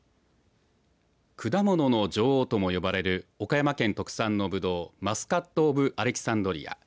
果物の女王とも呼ばれる岡山県特産のブドウマスカット・オブ・アレキサンドリア。